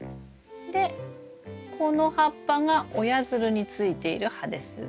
でこの葉っぱが親づるについている葉です。